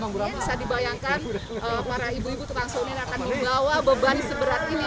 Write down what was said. bisa dibayangkan para ibu ibu tukang sun ini akan membawa beban seberat ini